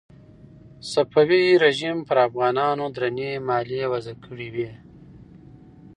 صفوي رژیم پر افغانانو درنې مالیې وضع کړې وې.